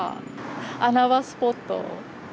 穴場スポット。